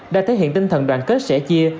đã thể hiện tinh thần đoàn kết sẻ chia